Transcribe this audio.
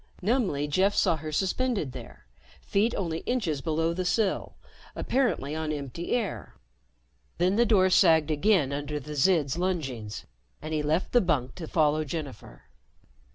Numbly, Jeff saw her suspended there, feet only inches below the sill, apparently on empty air. Then the door sagged again under the Zid's lungings and he left the bunk to follow Jennifer.